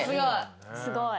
すごい。